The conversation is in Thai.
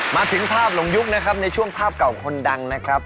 มาถึงภาพหลงยุคนะครับในช่วงภาพเก่าคนดังนะครับ